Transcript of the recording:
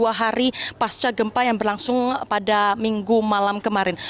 dua hari pasca gempa yang berlangsung pada minggu malam kemarin